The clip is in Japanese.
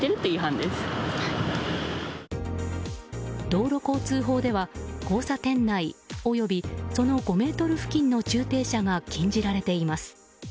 道路交通法では交差点内及びその５ｍ付近の駐停車が禁じられています。